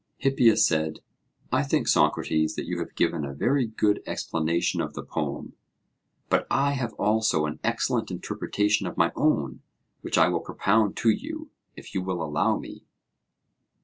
Hippias said: I think, Socrates, that you have given a very good explanation of the poem; but I have also an excellent interpretation of my own which I will propound to you, if you will allow me.